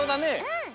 うん。